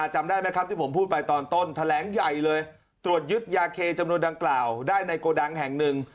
ใหญ่เลยตรวจยึดยาเคจำนวนดังกล่าวได้ในโกดังแห่งหนึ่ง